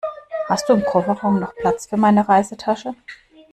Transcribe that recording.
Hast du im Kofferraum noch Platz für meine Reisetasche?